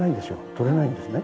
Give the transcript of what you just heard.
通れないんですね。